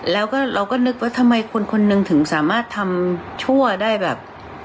แล้วก็เราก็นึกว่าทำไมคนคนหนึ่งถึงสามารถทำชั่วได้แบบ